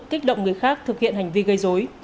kích động người khác thực hiện hành vi gây dối